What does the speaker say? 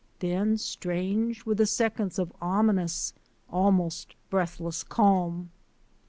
Then, strange were the seconds of ominous, almost breathless, calm.